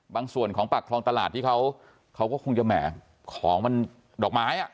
บางส่วนของปากคลองตลาดที่เขาก็คงจะแหม่ของมันดอกไม้